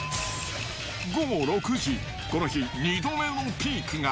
午後６時、この日、２度目のピークが。